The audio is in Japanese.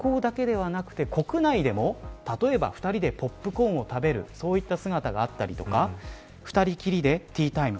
外交だけではなくて、国内でも例えば２人でポップコーンを食べる姿があったり２人きりでティータイム。